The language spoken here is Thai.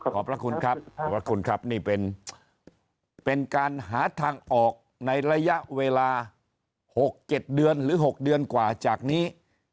ขอบพระคุณครับขอบพระคุณครับนี่เป็นการหาทางออกในระยะเวลา๖๗เดือนหรือ๖เดือนกว่าจากนี้